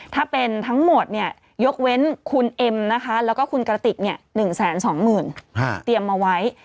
ถ้าเป็นทั้งหมดเนี่ยยกเว้นคุณเอ็มนะคะแล้วก็คุณกระติก๑๒๐๐๐เตรียมเอาไว้